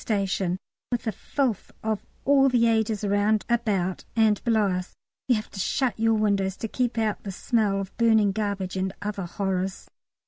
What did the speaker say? station, with the filth of all the ages around, about, and below us. You have to shut your window to keep out the smell of burning garbage and other horrors.